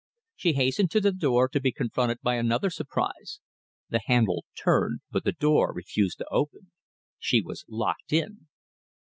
She hastened to the door, to be confronted by another surprise. The handle turned but the door refused to open. She was locked in.